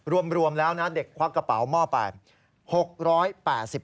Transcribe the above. รวมแล้วนะเด็กควักกระเป๋าหม้อไป